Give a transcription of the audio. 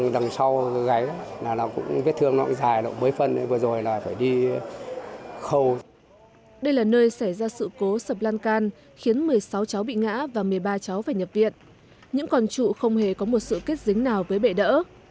đây là nơi xảy ra sự cố sập lan can khiến một mươi sáu cháu bị ngã và một mươi ba cháu phải nhập viện những con trụ không hề có một sự kết dính nào với bệ đỡ